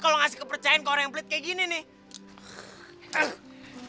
kalau ngasih kepercayaan ke orang yang pelit kayak gini nih